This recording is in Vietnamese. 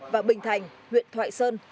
và bình thành huyện thoại sơn